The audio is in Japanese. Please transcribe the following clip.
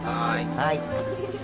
はい。